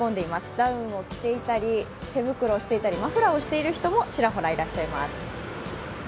ダウンを着ていたり手袋をしていたりマフラーをしている人もちらほらいらっしゃいます。